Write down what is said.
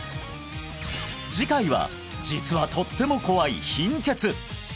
次回は実はとっても怖い貧血！